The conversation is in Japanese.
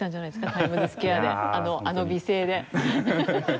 タイムズスクエアであの美声で。